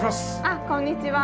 あっこんにちは。